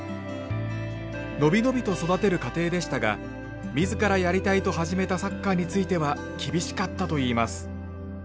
伸び伸びと育てる家庭でしたが自らやりたいと始めたサッカーについては厳しかったといいます。